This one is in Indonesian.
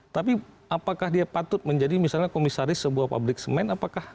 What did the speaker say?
tapi apakah dia patut menjadi misalnya komisaris sebuah pabrik semen